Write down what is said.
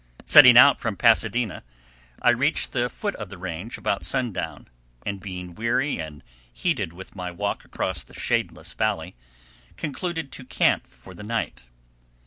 Setting out from Pasadena, I reached the foot of the range about sundown; and being weary and heated with my walk across the shadeless valley, concluded to camp for the night.